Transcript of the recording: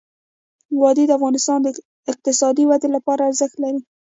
وادي د افغانستان د اقتصادي ودې لپاره ارزښت لري.